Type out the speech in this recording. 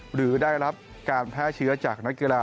หรือได้รับการแพร่เชื้อจากนักกีฬา